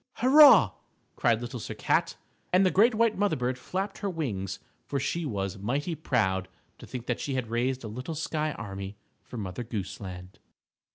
_ "Hurrah!" cried Little Sir Cat, and the great white mother bird flapped her wings, for she was mighty proud to think that she had raised a little sky army for Mother Goose Land.